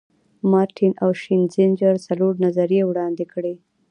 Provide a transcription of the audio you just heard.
مارټین او شینزینجر څلور نظریې وړاندې کړي.